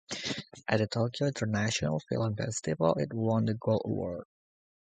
At the Tokyo International Film Festival, it won the Gold Award.